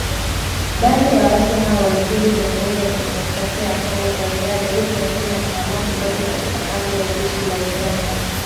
Baadhi ya waasi hao walirudi Jamhuri ya Kidemokrasia ya Kongo kwa hiari huku wengine wakiamua kubaki katika kambi ya jeshi la Uganda